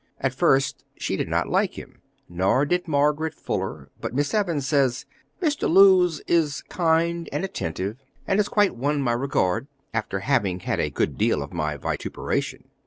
At first she did not like him, nor did Margaret Fuller, but Miss Evans says: "Mr. Lewes is kind and attentive, and has quite won my regard, after having had a good deal of my vituperation.